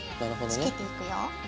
付けていくよ。